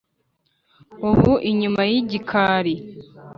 ubu inyuma y’igikali